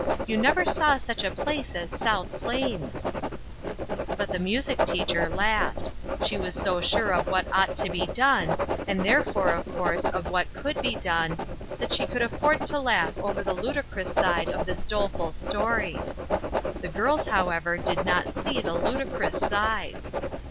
You never saw such a place as South Plains." But the music teacher laughed. She wa? so sure of what ought to be done, and therefore, of course, of what could be done, "OUR CHURCH." 99 that she could afford to laugh over the lu dicrous side of this doleful story. The girls, however, did not see the ludi crous side.